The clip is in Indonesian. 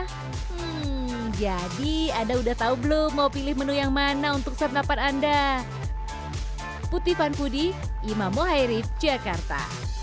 hmm jadi anda udah tahu belum mau pilih menu yang mana untuk santapan anda